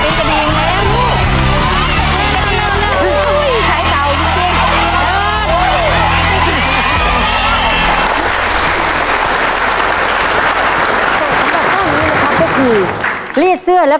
ครอบครัวของแม่ปุ้ยจังหวัดสะแก้วนะครับ